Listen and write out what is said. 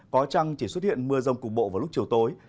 có trăng chỉ xuất hiện mưa rông cục bộ vào lúc chiều tối